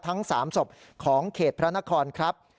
ทั้ง๓ศพของเขตพระนครครับ